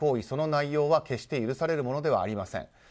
その内容は決して許されるものではありません。